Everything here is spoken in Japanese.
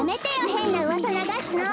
へんなうわさながすの！